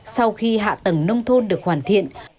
sau khi hạ tầng nông thôn được hoàn thiện